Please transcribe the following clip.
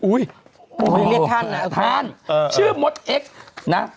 อู้ยอ๋อค่ะท่านชื่อโมดเอ็กส์นะ